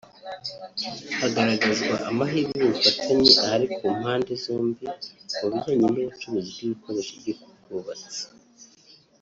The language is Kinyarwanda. Hazagaragazwa amahirwe y’ubufatanye ahari ku mpande zombi mu bijyanye n’ubucuruzi bw’ibikoresho by’ubwubatsi